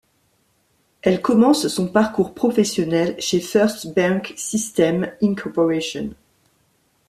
Elle commence son parcours professionnel chez First Bank System, Inc.